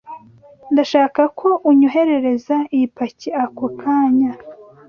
Ndashaka ko unyoherereza iyi paki ako kanya.